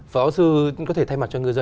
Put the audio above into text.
phó giáo sư